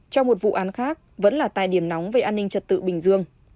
trong một vụ án khác vẫn là tài điểm nóng về an ninh trật tự bình dương